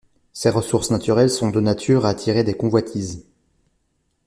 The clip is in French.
Ses ressources naturelles sont de nature à attirer des convoitises.